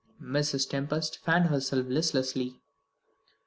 Mrs. Tempest fanned herself listlessly.